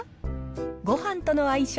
ごはんとの相性